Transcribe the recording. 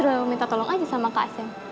eh bangkuan men